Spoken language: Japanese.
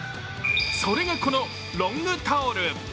それが、このロングタオル。